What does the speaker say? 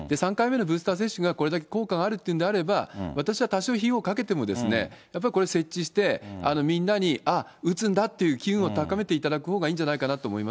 ３回目のブースター接種が、これだけ効果があるっていうんであれば、私は多少費用をかけても、やっぱりこれ、設置して、みんなに、ああ、打つんだっていう機運を高めていただくほうがいいんじゃないかな